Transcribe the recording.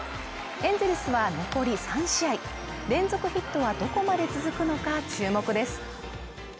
エンゼルスは残り３試合連続ヒットはどこまで続くのか注目です